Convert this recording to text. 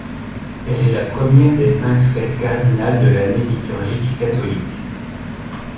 Elle est la première des cinq fêtes cardinales de l'année liturgique catholique.